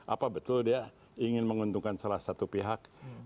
apa betul dia ingin menguntungkan salah satu pihak